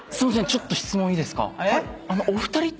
ちょっと質問いいですか？